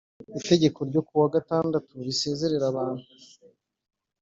itegeko ryo kuwa gatandatu risezerera abantu